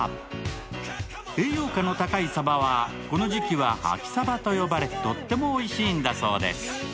栄養価の高いさばはこの時期は秋さばと呼ばれ、とってもおいしいんだそう。